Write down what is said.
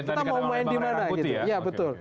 kita mau main di mana gitu